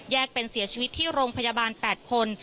เป็นเสียชีวิตที่โรงพยาบาล๘คน